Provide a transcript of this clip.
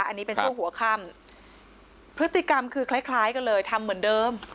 อันนี้เป็นช่วงหัวค่ำพฤติกรรมคือคล้ายคล้ายกันเลยทำเหมือนเดิม